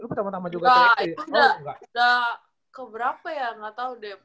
enggak itu udah keberapa ya gak tau deh